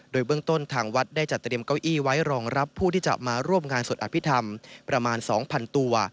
โดยเบื้องต้นทางวัดได้จัดเตรียมเก้าอี้ไว้รองรับผู้ที่จะมาร่วมงานสวดอภิษฐรรมประมาณ๒๐๐๐ตัว